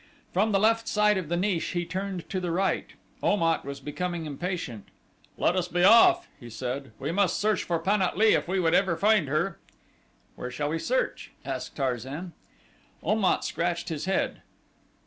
From the left side of the niche he turned to the right. Om at was becoming impatient. "Let us be off," he said. "We must search for Pan at lee if we would ever find her." "Where shall we search?" asked Tarzan. Om at scratched his head.